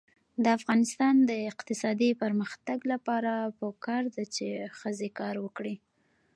د افغانستان د اقتصادي پرمختګ لپاره پکار ده چې ښځې کار وکړي.